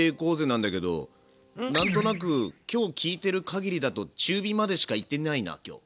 なんだけど何となく今日聞いてるかぎりだと中火までしか行ってないな今日。